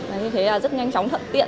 và như thế là rất nhanh chóng thận tiện